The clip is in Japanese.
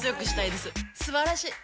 すばらしい！